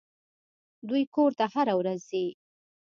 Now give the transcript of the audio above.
دوى کور ته هره ورځ ځي.